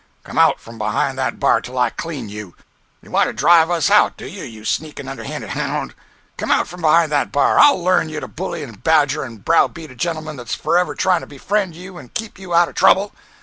Come out from behind that bar till I clean you! You want to drive us out, do you, you sneakin' underhanded hound! Come out from behind that bar! I'll learn you to bully and badger and browbeat a gentleman that's forever trying to befriend you and keep you out of trouble!"